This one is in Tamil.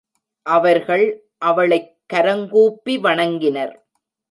அவர்கள் அவளைக் கரங்கூப்பி வணங்கினர்.